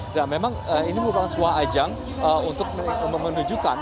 dan memang ini merupakan suah ajang untuk menunjukkan